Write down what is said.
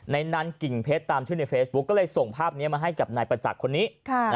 ในนั้นกิ่งเพชรตามชื่อในเฟซบุ๊กก็เลยส่งภาพนี้มาให้กับนายประจักษ์คนนี้